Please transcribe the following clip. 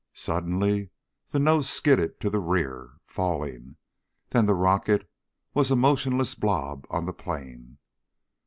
Suddenly the nose skidded to the rear, falling, then the rocket was a motionless blob on the plain.